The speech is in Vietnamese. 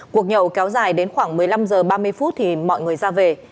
cuộc nhậu kéo dài đến khoảng một mươi năm h ba mươi phút thì mọi người ra về